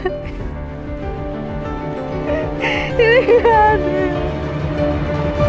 ini gak ada